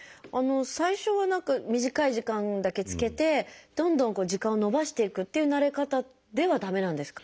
最初は短い時間だけ着けてどんどん時間を延ばしていくっていう慣れ方では駄目なんですか？